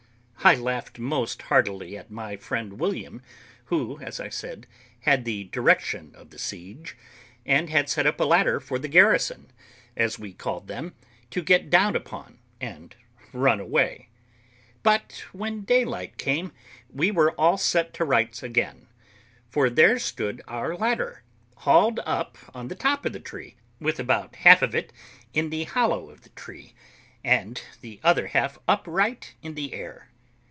I laughed most heartily at my friend William, who, as I said, had the direction of the siege, and had set up a ladder for the garrison, as we called them, to get down upon, and run away. But when daylight came, we were all set to rights again; for there stood our ladder, hauled up on the top of the tree, with about half of it in the hollow of the tree, and the other half upright in the air.